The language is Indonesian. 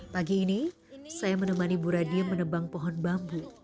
pagi ini saya menemani ibu radiem menebang pohon bambu